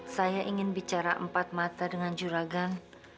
saya ingin bicara empat mata dengan juragan